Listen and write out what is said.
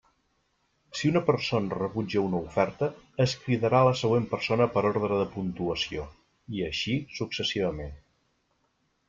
Si una persona rebutja una oferta, es cridarà la següent persona per ordre de puntuació, i així successivament.